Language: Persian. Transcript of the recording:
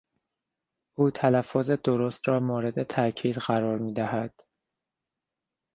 او تلفظ درست را مورد تاکید قرار میدهد.